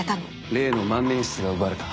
例の万年筆が奪われた。